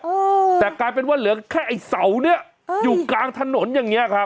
เออแต่กลายเป็นว่าเหลือแค่ไอ้เสาเนี้ยอยู่กลางถนนอย่างเงี้ยครับ